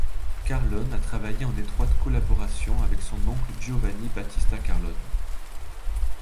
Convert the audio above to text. Carlone a travaillé en étroite collaboration avec son oncle Giovanni Battista Carlone.